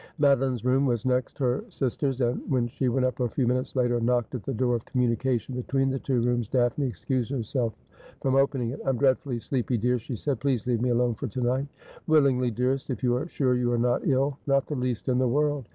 Madoline's room was next her sis ter's, and when she went up a few minutes later, and knocked at the door of communication between the two rooms. Daphne excused herself from opening it. ' I'm dreadfully sleepy, dear,' she said ;' please leave me alone for to night !'' Willingly, dearest, if you are sure you are not ill.' ' Not the least in the world.'